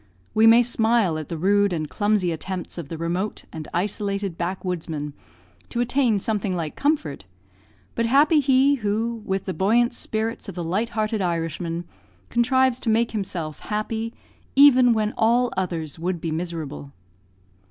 We may smile at the rude and clumsy attempts of the remote and isolated backwoodsman to attain something like comfort, but happy he who, with the buoyant spirits of the light hearted Irishman, contrives to make himself happy even when all others would be miserable.